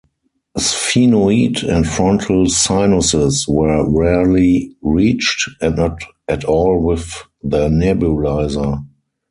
Sphenoid and frontal sinuses were rarely reached, and not at all with the nebulizer.